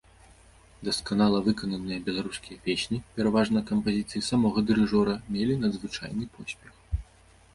Дасканала выкананыя беларускія песні, пераважна кампазіцыі самога дырыжора, мелі надзвычайны поспех.